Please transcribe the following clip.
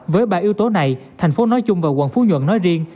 với ba yếu tố này thành phố nói chung và quận phú nhuận nói riêng